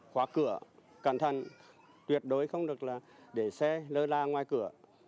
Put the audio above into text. khóa cửa cẩn thận tuyệt đối không được là để xe lơ la ngoài cửa